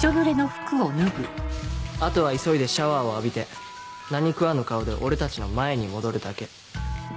あとは急いでシャワーを浴びて何食わぬ顔で俺たちの前に戻るだけ。